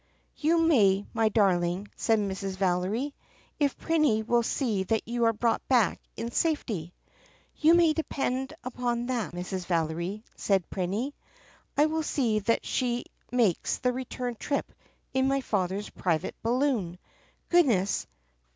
"You may, my darling," said Mrs. Valery, "if Prinny will see that you are brought back in safety." "You may depend upon that, Mrs. Valery," said the Prin cess, "I will see that she makes the return trip in my father's private balloon. Goodness